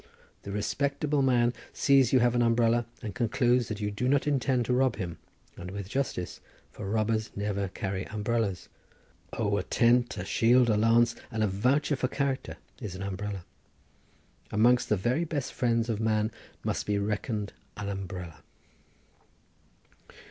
The respectable man sees you have an umbrella and concludes that you do not intend to rob him, and with justice, for robbers never carry umbrellas. O, a tent, a shield, a lance and a voucher for character is an umbrella. Amongst the very best friends of man must be reckoned an umbrella.